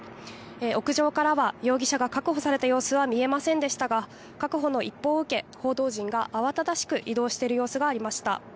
屋上からは容疑者が確保された様子は見えませんでしたが確保の一報を受け報道陣が慌ただしく移動している様子がありました。